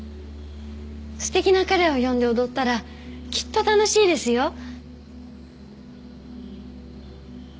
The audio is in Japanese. すてきな彼を呼んで踊ったらきっと楽しいですよ。